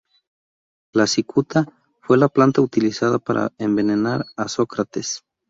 La "cicuta" fue la planta utilizada para envenenar a Sócrates.